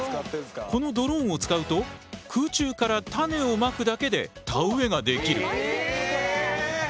このドローンを使うと空中から種をまくだけで田植えができる。